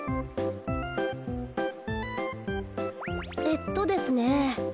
えっとですね。